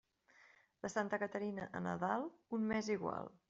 De santa Caterina a Nadal, un mes igual.